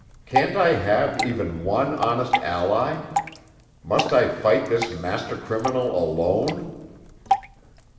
Can't I have even one honest ally? Must I fight this master criminal alone?"